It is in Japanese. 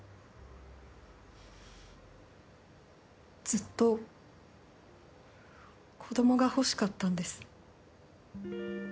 ずっと子供が欲しかったんです。